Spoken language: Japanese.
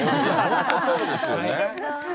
本当そうですよね。